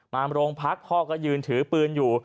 มาโรงพักพ่อก็ยืนถือปืนอยู่